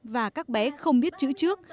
và các bé không biết chữ trước